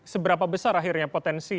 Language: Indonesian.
seberapa besar akhirnya potensi